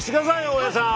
大家さん！